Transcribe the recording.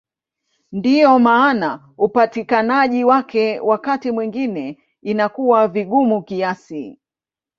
Ndiyo maana upatikanaji wake wakati mwingine inakuwa vigumu kiasi.